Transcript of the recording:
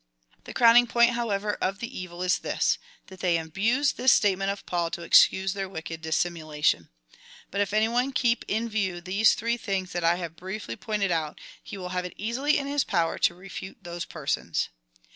The crowning point, however, of the evil is this — tliat they abuse this statement of Paul to excuse their wicked dissimulation. But if any one Avill keep in view these three things that I have briefly pointed out, he wiU have it easily in his power to refute those persons.